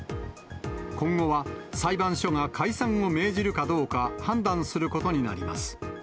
今後は裁判所が解散を命じるかどうか判断することになります。